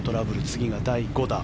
次が第５打。